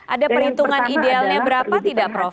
ada perhitungan idealnya berapa tidak prof